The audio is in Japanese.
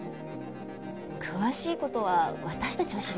詳しい事は私たちは知りませんけど。